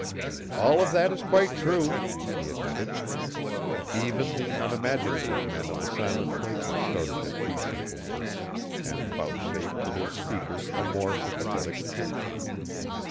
"All of that is quite true," he admitted. Even the unimaginative men of the Silent Places started at these simple words, and vouchsafed to their speaker a more sympathetic attention.